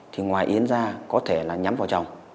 thì ngoài yến ra có thể là nhắm vào chồng